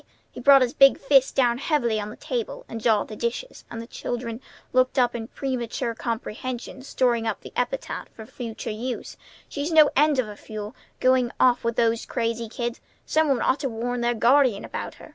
He brought his big fist down heavily on the table, and jarred the dishes; and the children looked up in premature comprehension, storing up the epithet for future use. "She's no end of a fool, going off with those crazy kids. Some one ought to warn their guardian about her.